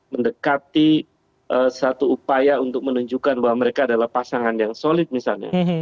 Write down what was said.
mendekati satu upaya untuk menunjukkan bahwa mereka adalah pasangan yang solid misalnya